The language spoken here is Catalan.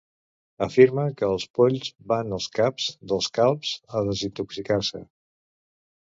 Afirme que els polls van als caps dels calbs a desintoxicar-se.